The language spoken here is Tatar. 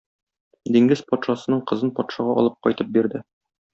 Диңгез патшасының кызын патшага алып кайтып бирде.